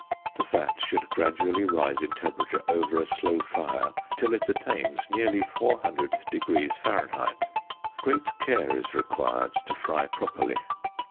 The fat should gradually rise in temperature over a slow fire till it attains nearly 400┬░ Fahr. Great care is required to fry properly.